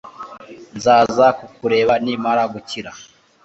Nzaza kukureba nimara gukira